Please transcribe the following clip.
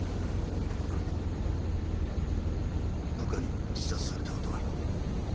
部下に自殺されたことがある。